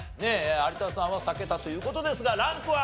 有田さんは避けたという事ですがランクは？